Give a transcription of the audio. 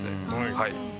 はい。